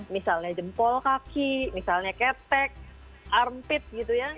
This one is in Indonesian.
misalnya jempol kaki misalnya ketek armpit gitu ya